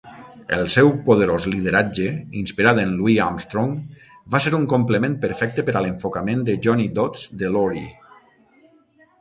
El seu poderós lideratge, inspirat en Louis Armstrong, va ser un complement perfecte per a l'enfocament de Johnny Dodds de Laurie.